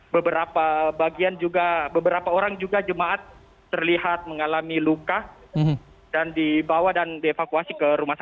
beberapa bagian juga beberapa orang juga jemaat terlihat mengalami luka dan dibawa dan dievakuasi ke rumah sakit